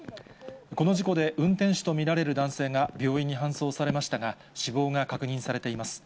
この事故で運転手と見られる男性が病院に搬送されましたが、死亡が確認されています。